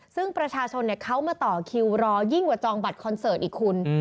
ซึ่งประชาชนเขามาต่อคิวรอยิ่งกว่าจองบัตรคอนเสิร์ตอีกคุณ